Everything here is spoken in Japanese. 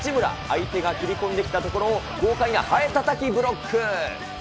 相手が切り込んできたところを、豪快なハエたたきブロック。